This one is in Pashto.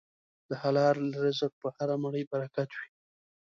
د حلال رزق په هره مړۍ برکت وي.